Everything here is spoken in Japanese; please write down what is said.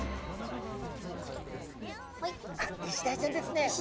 あイシダイちゃんですね。